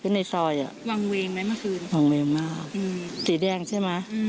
เขาเล่นยังไง